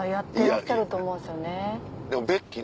でもベッキーね